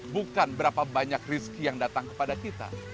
bukan berapa banyak rizki yang datang kepada kita